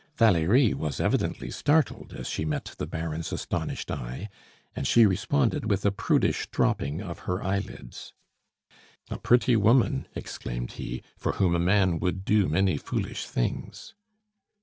Valerie was evidently startled as she met the Baron's astonished eye, and she responded with a prudish dropping of her eyelids. "A pretty woman," exclaimed he, "for whom a man would do many foolish things."